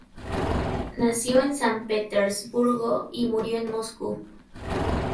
Nació en San Petersburgo y murió en Moscú.